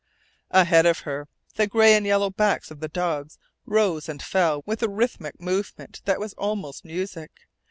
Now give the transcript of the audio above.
Ahead of her the gray and yellow backs of the dogs rose and fell with a rhythmic movement that was almost music.